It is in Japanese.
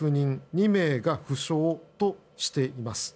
２名が負傷としています。